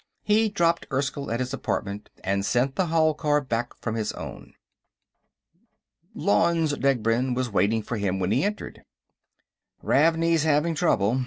He dropped Erskyll at his apartment and sent the hall car back from his own. Lanze Degbrend was waiting for him when he entered. "Ravney's having trouble.